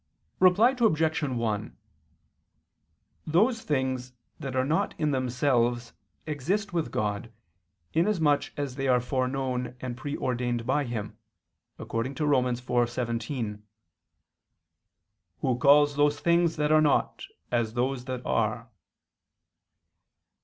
Reply Obj. 1: Those things that are not in themselves, exist with God, inasmuch as they are foreknown and preordained by Him, according to Rom. 4:17: "Who calls those things that are not, as those that are."